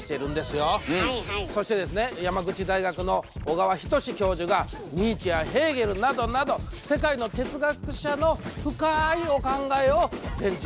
そしてですね山口大学の小川仁志教授がニーチェやヘーゲルなどなど世界の哲学者の深いお考えを伝授してますと。